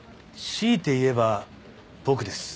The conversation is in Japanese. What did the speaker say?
強いて言えば僕です。